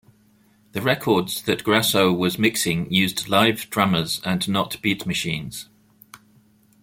The records that Grasso was mixing used live drummers and not beat machines.